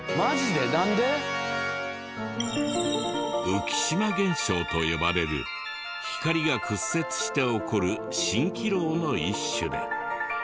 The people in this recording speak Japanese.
浮島現象と呼ばれる光が屈折して起こる蜃気楼の一種で。